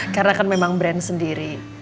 karena kan memang brand sendiri